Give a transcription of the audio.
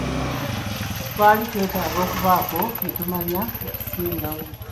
Twali twetaaga okubaako bye tumanya okusingawo.